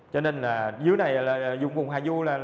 cho nên là dưới này dùng vùng hà du